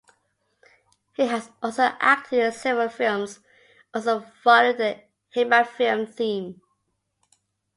He has also acted in several films, also following a Heimatfilm theme.